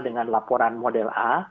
dengan laporan model a